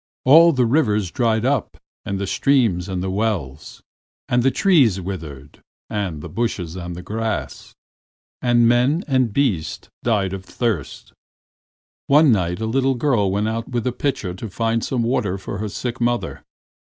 All the rivers dried up and the streams and wells, and the trees withered and the bushes and grass, and men and beasts died of thirst. One night a little girl went out with a pitcher to find some water for her sick mother.